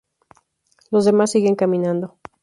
Los demás siguen caminando.